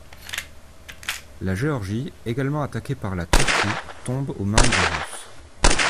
La Géorgie, également attaquée par la Turquie, tombe aux mains des Russes.